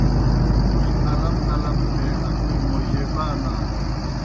تُس الم غلم تھے اکو موجیبا نانوئے۔